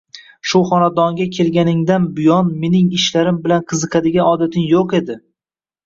Shu xonadonga kelganingdan buyon mening ishlarim bilan qiziqadigan odating yo`q edi